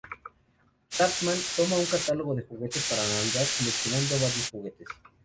Cartman toma un catálogo de juguetes para navidad seleccionado varios juguetes.